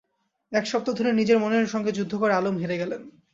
এক সপ্তাহ ধরে নিজের মনের সঙ্গে যুদ্ধ করে আলম হেরে গেলেন।